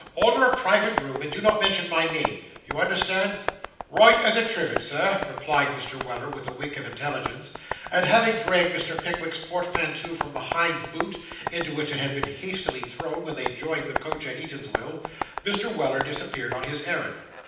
Order a private room, and do not mention my name. You understand.' 'Right as a trivet, sir,' replied Mr. Weller, with a wink of intelligence; and having dragged Mr. Pickwick's portmanteau from the hind boot, into which it had been hastily thrown when they joined the coach at Eatanswill, Mr. Weller disappeared on his errand.